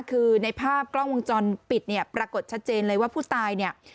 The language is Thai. คือในภาพกล้องวงจรปิดเนี่ยปรากฏชัดเจนเลยว่าผู้ตายเนี่ย